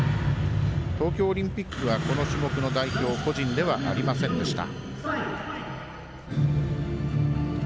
東京オリンピックはこの種目の代表個人ではありませんでした。